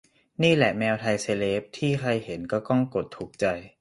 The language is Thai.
นี่แหละแมวไทยเซเลบ ที่ใครเห็นก็ต้องกดถูกใจ